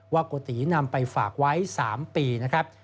โกตินำไปฝากไว้๓ปีนะครับ